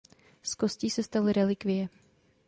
Z kostí se staly relikvie.